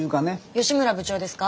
吉村部長ですか？